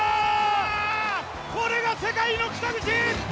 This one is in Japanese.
これが世界の北口。